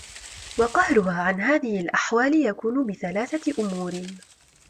وَقَهْرُهَا عَنْ هَذِهِ الْأَحْوَالِ يَكُونُ بِثَلَاثَةِ أُمُورٍ